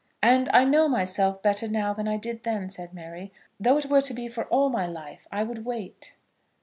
"And I know myself better now than I did then," said Mary. "Though it were to be for all my life, I would wait."